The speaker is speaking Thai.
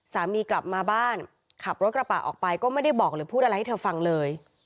สามีกลับมาบ้านขับรถกระบะออกไปก็ไม่ได้บอกหรือพูดอะไรให้เธอฟังเลย